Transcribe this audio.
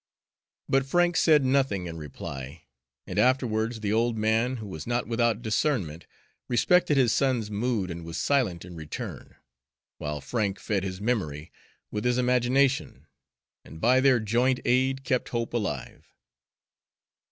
But Frank said nothing in reply, and afterwards the old man, who was not without discernment, respected his son's mood and was silent in turn; while Frank fed his memory with his imagination, and by their joint aid kept hope alive.